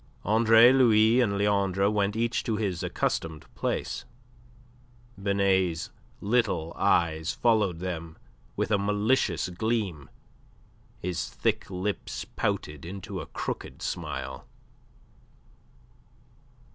Andre Louis and Leandre went each to his accustomed place. Binet's little eyes followed them with a malicious gleam, his thick lips pouted into a crooked smile.